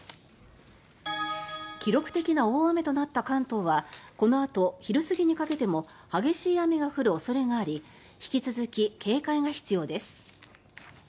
記録的な大雨となった関東はこのあと昼過ぎにかけても激しい雨が降る恐れがあり引き続き警戒が必要です。